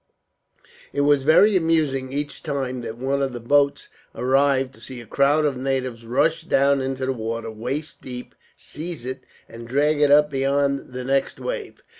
It was very amusing, each time that one of these boats arrived, to see a crowd of natives rush down into the water, waist deep, seize it, and drag it up beyond the next wave.